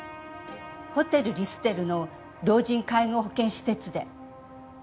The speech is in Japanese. ホテルリステルの老人介護保険施設で。